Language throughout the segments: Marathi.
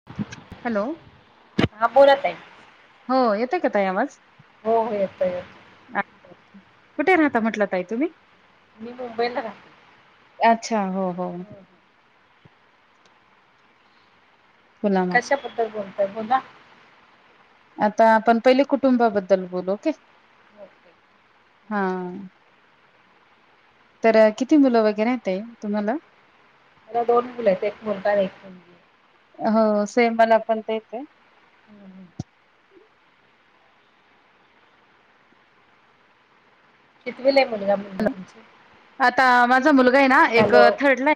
[inaudible] [inaudible] हॅलो? हा बोलत आहे हो येतेय काता आवाज हो हो यता येत अ कुठे राहता म्हटलं त आहे तुम्ही मी मुंबईला अच्छा हो हो हं बोला मग कशा पद्धल बोलताय बोला आता आपण पहिले कुटुंबाबद्दल बोलू क नओके हा तर किती मुलं वगैरे येत आहे तुम्हाला त्याला दोन मुले आहेत एक मुलगा असे आणि एक हो सेम मला पण द येते हम् शथविलाय म्हणलाा म्हण तुमच आता माझा मुलगा आहे ना एक थर्ड ला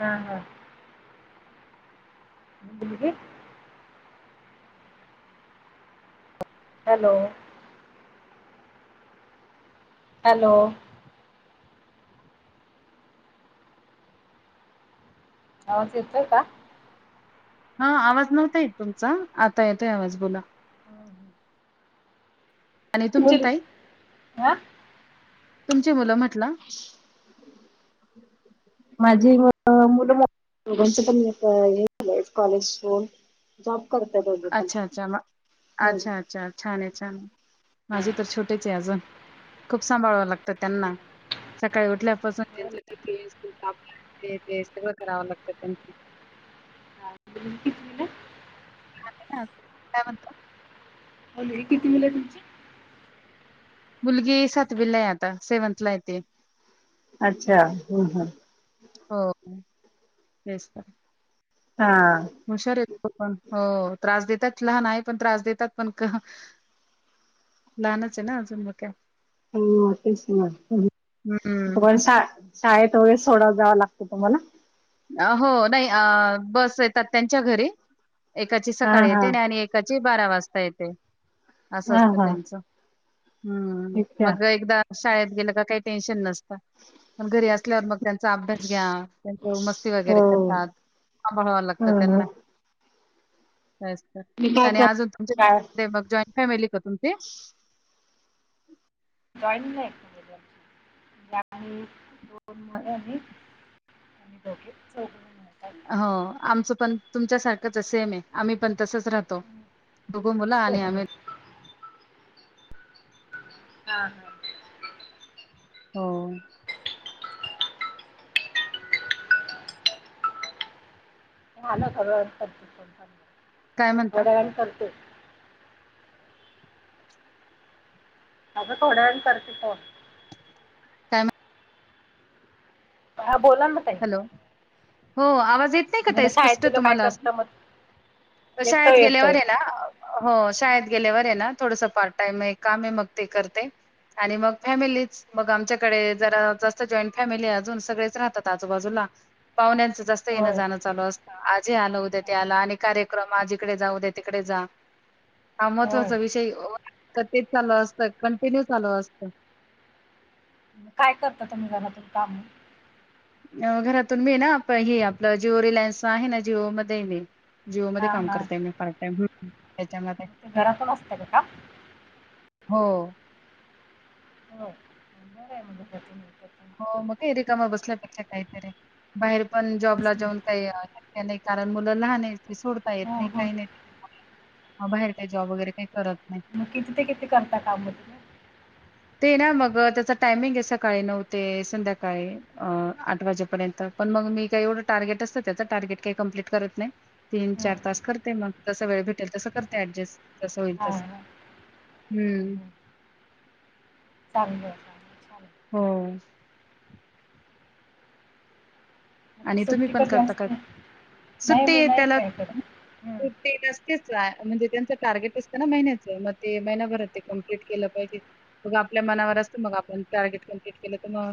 हम हम ी हॅलो हॅलो आव येतोय का हा आवाज नव्हता येत तुमचा आता येतोय आवाज बोला हम्म, हम्म. आणि तुमचे मुली ताई हा. तुमचे मुलं म्हटलं [inaudible] माझी मुलं दोघांच पण कॉलेज जॉब करते द प अच्छा अच्छा म- हो अच्छा अच्छा छान आहे छान आहे माझे तर छोटेच आहे अज खूप सांभाळव लागतं त्यांना सकाळी उठल्यापासून त्यांच टिक ते सगळं करावं लागतं त्यां ह [unintelligible] अ का [unintelligible] अ हे किती मुलं आहेत तुमची मुलगी सातवीला आहे आता सेव्हनथला आहे ती अच्छा हम् हम् हो तेच ते हां हुशार आहेत पण हो त्रास देतात लहान आहे पण त्रास देतात पण क लहानच आहे ना अजून मग काय हो तेच ह हं, हदोन सा शाळेत वगैरे सोडाय जावं लागतं तुम्हाला अ हो नाही अ बस येतात त्यांच्या घरी एकाची हा सकाळी हा येते आणि एक काची बारा वाजता येते असं हा असतं हा त्यांचं हम्म अच्छा मग एकदा शाळेत गेलं का काही टेन्शन नसतं पण घरी असल्यावर मग त्यांचा अभ्यास घ्या त्यांचं मस्ती हो वगैरे करतात सांभाळाव लागत ह ह त्यांना मी काय आणि कर अजून तुमच्या म जॉईंट फॅमिली का तुमची ह दैनंद बज ग दोन मुध के च हो आमचं पण तुमच्यासारखंच सेम आहे आम्ही पण तसच राहतो दुग मुला आणि राहतात आम्ही हा हा हो मला सगळं [unintelligible] काय म्हणता? थोड्या वेळानं करत अगं थोड्या वेळानं करते फोन [unintelligible] ह बोला ना ताई हॅलो हो आवाज येतोय नाही का मुलं ते शाळेत स्पष्ट गेलो काय तुम्हाला करता मग असं शाळेत येतोय गेल्यावर येतोय आहे ना हो शाळेत गेल्यावर आहे ना थोडस पार्ट टाईम आहे एक काम आहे मग ते करते आणि मग फॅमिलीच मग आमच्याकडे जरा जास्त जॉईंट फॅमिली अजून सगळेच राहतात आजूबाजूला पाहुण्यांचं जास्त येणं होय जाणं चालू असतं आजी आहे मदततीला आणि कार्यक्रम आज इकडे जाऊ उद्या तिकडे जा हा होय महत्त्वाचा विषय वा तेच चालू असतं कंटिन्यू चालू असतं काय करता तुम्ही घरातून कामं घरातून मी ना हे आपलं हे जिओ रिलायन्स आहे ना जिओमध्ये आहे मी जिओमध्ये हा काम हा करतेय मी पार्टटाईम. हेच्यामध्ये ते घरातून असतं का काम हो हो बराय मग घरातून हे करत हो मग ते रिकमा बसल्यापेक्षा काहीतरी बाहेर पण जॉबला जाऊन काही शक्य नाही कारण मुलं लहान आहेत सोडता येत ना हो नाही हो काही नाही बाहेर काही जॉब वगैरे काही करत नाही मग किती ते किती करता काम तुम्ही ते ना मग त्याचा टायमिंग आहे सकाळी नऊ ते संध्याकाळी अ आठ वाजेपर्यंत पण मग मी काही एवढं टार्गेट असतं त्याच टार्गेट काही कम्प्लीट करत नाही तीन हो चार तास करते मग जस वेळ भेटेल तसं करते ऍडजस्ट तस होय हा तस हा हम्म चांलं [unintelligible] हो मग आणि तुम्ही सुट्टी पण कधी करता का असते नाही मी सुट्टी नाही त्याला काय करत हं ते रस्तेच म्हणजे त्यांचं टार्गेट असतं ना महिन्याच म ते महिनाभरात ते कमप्लीट केलं पाहिजे. मग आपल्या मनावर असत मग आपण टार्गेट कम्प्लीट केलं तर म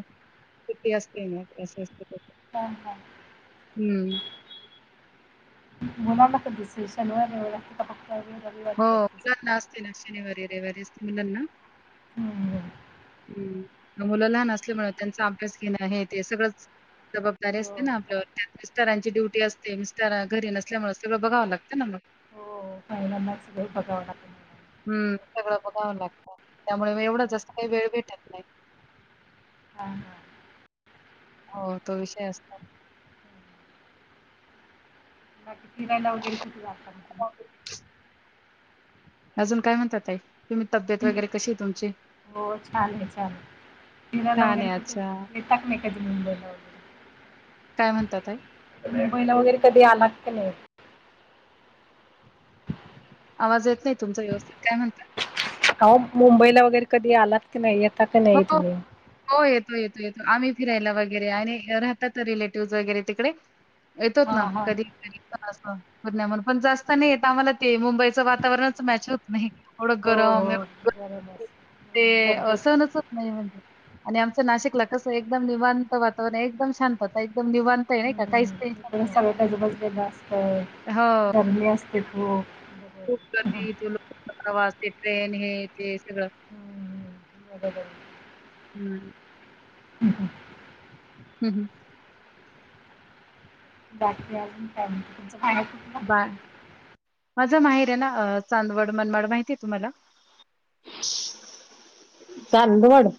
सुट्टी असली ना हा हा. हम्म. [inaudible] [inaudible] हो मुलांना असते सुट्टी ना शनिवारी रविवारी असते मुलांना हम्म. हम्म मुलं लहान असल्यामुळे त्यांचा अभ्यास घेणं हे ते सगळंच जबाबदारी हो असते ना आपल्यावर त्यां मिस्टरांची ड्युट असते मिस्टर घरी नसल्यामुळे सगं बघावं लागतं ना मग च लई बघवणार हम्म सगळं बघावं लागतं त्यामुळे एवढा मुलांना हं जास्त काय वेळ भेटत नाही. हा हा. हो तो विषय असतो बाकी फियला वगैरे कुठ जाता का तुम्ही अजून काय म्हणता ताई तुम्ही तब्येत वगैरे कशी आहे तुमची हो छान आहे छान आहे फिरायला छान वगैरे आहे. कुठे अच्छा. येता का नाही कधी मुंबईला वगैरे काय म्हणता ताई मुंबईला वगैरे कधी आलात का नाही आवाज येत नाही तुमचा व्यवस्थित काय म्हणताय? आहो मुंबईला वगैरे कधी आलात की नाही येत का हो, नाही हो, तुम्ही? हो येतो येतो येतो आम्ही फिरायला वगैरे आणि राहत तर रिलेटिव्ह वगैरे तिकडे येतात हां ना हां कधी कधी पण जास्त नाही येत आम्हाला ते मुंबईचं वातावरणच मॅच होत नाही एवढं हो हो गरम बरोबर ते हम्म, दगदग असंनच आणि आमच्या नाशिकला कस एकदम निवांत वातावरण एकदम शांतता एकदम निवां इकडे सगळ गजूबजलेलं असतय हो. गरमी असते खूप खूप बरोबर गर्दी लोकां प्रवास ट्रेन हे ते सगळं हम्म, [inaudible] हम्म. हम्म. हम्म हम्म. बाकी अजून काय म तुमच खायचं बाय माझा माहीर हाय ना चांदवड मनमड माहिती आहे तुम्हाला? [unintelligible] चांदवड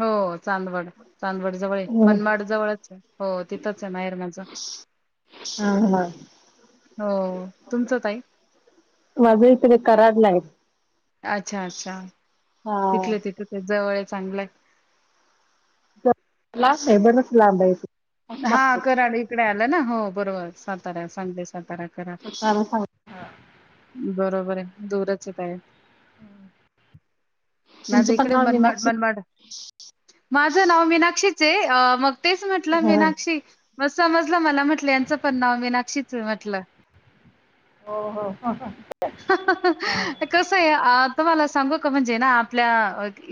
हो चांदवड चांदवड जवळ हम्म. मनमाड जवळचये हो तिथंच आहे माहेर माझ हम्म हा हो तुमचं ताई माझं इकडे कराडलाय अच्छा अच्छा हा तिथले तिथ जवळय चांगलंय लांब हाय बरच लांबये की हा कराड इकडे आलं ना हो बरोबर सातारा सांगली साताऱ्याकडे [inaudible] बरोबरये दूरच येताय हम्म. माझ इकडे मनमड मनमाड माझं नाव मीनाक्षीचये अ मग तेच म्हटलं होय. मीनाक्षी मग समजलं मला म्हटलं यांचं पण नाव मीनाक्षीच म्हटलं हो हो ह ह ह कस आहे तुम्हाला सांगू का म्हणजे ना आपल्या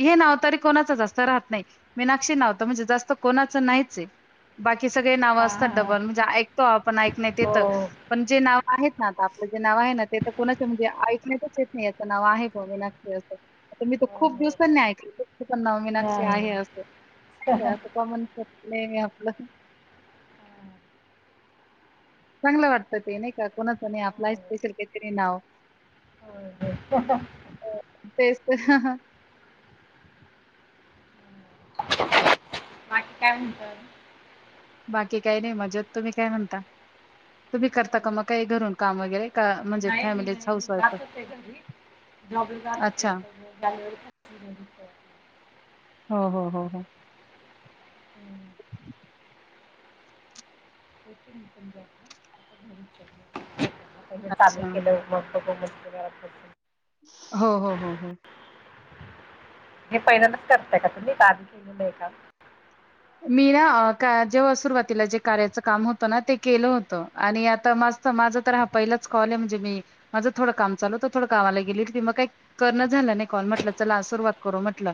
हे नाव तरी कोणाचच असत राहत नाही मिनाक्षी नाव तर म्हणजे जास्त कोणाचं नाहीच आहे. बाकी सगळे नावं हा असतात हा डबल म्हणजे ऐकतो आपण ऐकण्यात हो येतं हो पण जे नाव आहेत ना आता आपलं जे नाव आहे ना ते तर कोणाच्या म्हणजे ऐकण्यातच येत नाही असं नाव आहे बा मिनाक्षी असं आता मी तर खूप हो दिवसांनी ऐकले तुमचं पण नाव हा मीनाक्षी आहे असं असं म्हण नाही आपलं चांगलं वाटतं ते नाही का कोणाचं नाही आपलं स्पेशल काहीतरी नाव होय होय अ तेच तर बाकी काय म्हणता बाकी काही नाही मजेत तुम्ही काय म्हणता? तुम्ही करता का मग काही घरून? काम वगैरे का म्हणजे नाही मी फॅमिलीच नाही हाऊसवाईफ जातच आहे घरी अच्छा [unintelligible] हो हो हो हो. [unintelligible] [unintelligible] त्यांनी चालू अच्छा केलं मग बघू म्हणलं घरात बसून हो हो हो हो हे पहिल्यांदाच करताय का तुम्ही का आधी केलेलं आहे काम? मी ना का जेव्हा सुरुवातीला जे कार्याचं काम होतं ना ते केलं होतं आणि आता मा माझा तर हा पहिलाच कॉल आहे म्हणजे मी माझं थोडं काम चालू होतं तर थोडं गावाला गेली मग काही करणंच झालं नाही कॉल म्हटलं चला सुरुवात करू म्हटलं.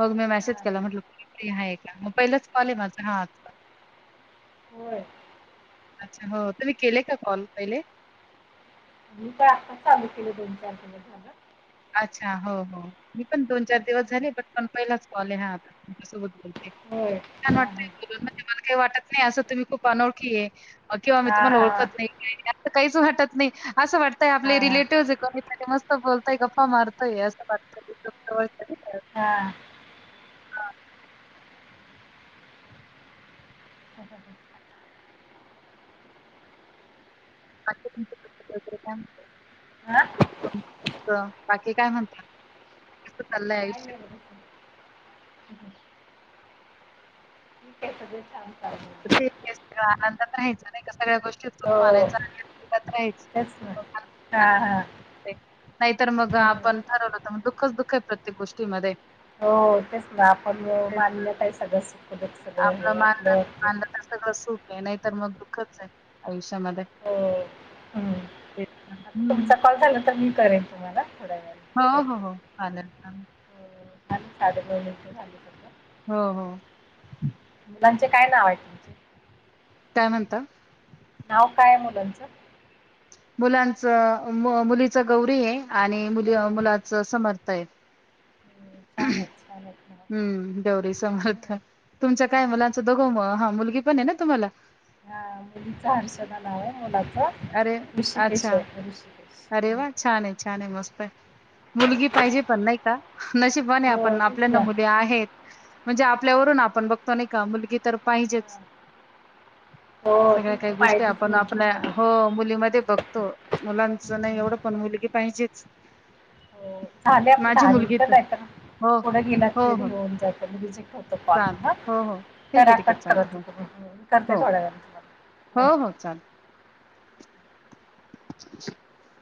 मग मी मेसेज हा, केला म्हटलं तुम्ही फ्री हाय का मग पहिलाच कॉल आहे माझा हा आता होय अच्छा हो तुम्ही केले का कॉल पहिले मी काय आत्ताच चालू केलंय दोन-चार दिवस झालं. अच्छा हो हो मी पण दोन चार दिवस झाले पण पण पहिलाच कॉल आहे हा आता तुमच्यासोबत होय छान वाटतय म्हणजे मला काही वाटत नाही असं तुम्ही खूप अनोळखी आहे किंवा मी हा, तुम्हांला हा. ओळखत नाही का असं काहीच वाटत नाही असं वाटतंय हा आपले हा रिलेटिव्हज आहे कधीकधी मस्त बोलतय, गप्पा मारतोय असं वाटत हा [unintelligible] अस तुमचं [unintelligible] आ बाकी बाकी काय म्हणताय कसं चाललंय काय आयुष्य? नाही बघा ठीक सगळं छान चाललं ते कसं असतं आनंदात राहायाचं नाही का सगळ्या गोष्टीत सुख हो मानायचं आणि आनंदात राहायचं तेच ना हा हा नाहीतर मग हम्म. आपण ठरवलं तर मग दुःखच दुःख आहे प्रत्येक गोष्टीमध्ये हो हो तेच ना आपण तेच. मानन्यात आहे सगळं सुख दुःख सगळं हे मानलं आपलं मानलं तर सगळं सुख आहे नाही तर मग दुःखच आहे आयुष्यामध्ये हो. हं. तेच ना आता हं. तुमचा कॉल झाला तर मी करेन तुम्हाला थोड्या वेळांनी हो हो हो चालेल चालेल साधा कॉल आधी करू हो हो मुलांचे काय नाव आहेत. काय म्हणता नाव काय मुलांचं? मुलांच मुलीच गौरी आहे आणि मुली हं, हं. मुलाच समर्थ आहे. छान आहेत छान आहेत नाव हम् गौरी हं, समर्थ हं. तुमचा काय मुलांचं दोघो हा मुलगी पण आहे. ना तुम्हाला हा मुलीचा हर्षदा नाव आहे. मोलाचा अरे अच्छा अरे हं. वा छान आहे छान आहे मस्त आहे मुलगी पाहिजे पण नाही का नशिबने हो, आपण तेच आपल्याना ना. मुले आहेत. म्हणजे आपल्यावरून आपण बघतो नाही का मुलगी तर पाहिजेच. हां. हो, सगळ्या तेच तर काही गोष्टी पाहिजेच आपण मुलगी. आपल्या हो मुलीमध्ये बघतो मुलांचं नाही हं. एवढं पण मुलगी पाहिजेच. हो, झाले आपले माझी दहा मुलगी तर मिनिटं हो हो हो कोडगलातऊन जाजत चालेल हो हो ठीक आहे पारा ठीक आहे कट चालेल करत हो [inaudible] हो करते थोड्या वेळांनी तुम्हांला हो हो चाल [unintelligible]